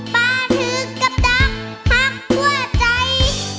ปาถือกับดักหักกว่าใจ